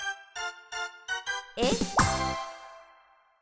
えっ？